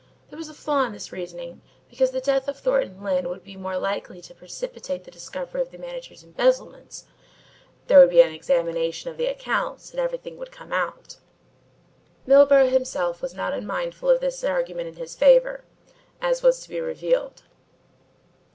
There was a flaw in this reasoning because the death of Thornton Lyne would be more likely to precipitate the discovery of the manager's embezzlements there would be an examination of accounts and everything would come out. Milburgh himself was not unmindful of this argument in his favour, as was to be revealed.